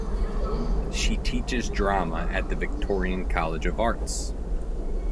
She teaches drama at the Victorian College of Arts.